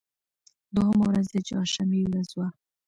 دوهمه ورځ د چهار شنبې ورځ وه.